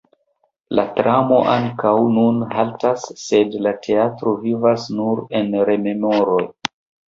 La tramo ankaŭ nun haltas, sed la teatro vivas nur en rememoroj.